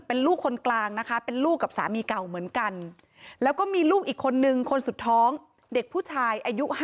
เป็นลูกคนกลางนะคะเป็นลูกกับสามีเก่าเหมือนกันแล้วก็มีลูกอีกคนนึงคนสุดท้องเด็กผู้ชายอายุ๕๐